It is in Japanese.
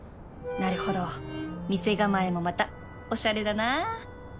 なるほど店構えもまたおしゃれだなあ